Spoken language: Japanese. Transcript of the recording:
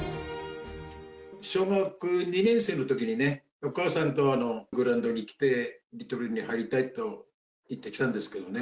小学２年生のときにね、お母さんとグラウンドに来て、リトルに入りたいと言ってきたんですけどね。